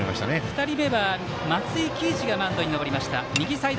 ２人目は松井喜一がマウンドに上がりました。